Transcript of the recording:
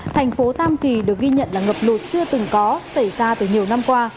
thành phố tam kỳ được ghi nhận là ngập lụt chưa từng có xảy ra từ nhiều năm qua